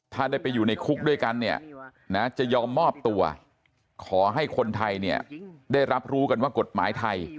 ถ้าได้ไปอยู่ในคุกด้วยกันเนี่ยนะจะยอมมอบตัวขอให้คนไทยเนี่ยได้รับรู้กันว่ากฎหมายไทย